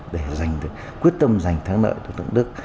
để quyết tâm giành thắng nợ từ thượng đức